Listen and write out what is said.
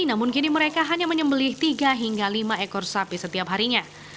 namun kini mereka hanya menyembelih tiga hingga lima ekor sapi setiap harinya